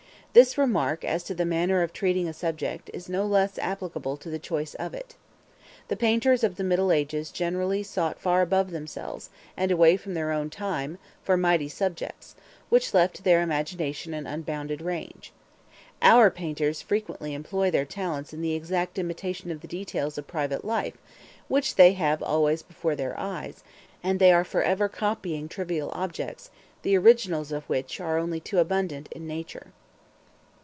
This remark as to the manner of treating a subject is no less applicable to the choice of it. The painters of the Middle Ages generally sought far above themselves, and away from their own time, for mighty subjects, which left to their imagination an unbounded range. Our painters frequently employ their talents in the exact imitation of the details of private life, which they have always before their eyes; and they are forever copying trivial objects, the originals of which are only too abundant in nature.